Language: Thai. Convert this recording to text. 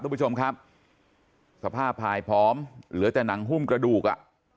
ทุกผู้ชมครับสภาพภายผอมเหลือแต่หนังหุ้มกระดูกอ่ะ